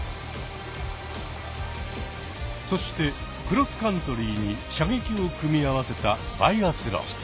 そしてクロスカントリーに射撃を組み合わせたバイアスロン。